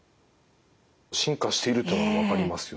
進化しているというのが分かりますよね。